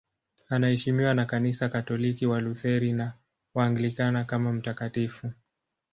Anaheshimiwa na Kanisa Katoliki, Walutheri na Waanglikana kama mtakatifu.